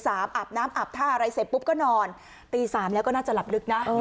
อาบน้ำอาบท่าอะไรเสร็จปุ๊บก็นอนตี๓แล้วก็น่าจะหลับลึกนะ